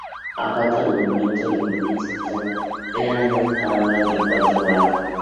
A falta del monumento, el elemento central eran dos farolas de cuatro brazos.